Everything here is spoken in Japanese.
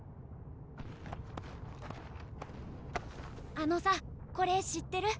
・・あのさこれ知ってる？